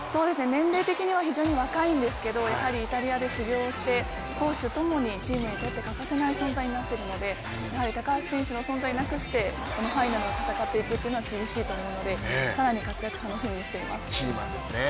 年齢的には非常に若いんですけど、やはりイタリアで修行をして攻守共にチームにとって欠かせない存在になってるのでやはり高橋選手の存在なくしてこのファイナルを戦うということは厳しいので更に活躍を楽しみにしています。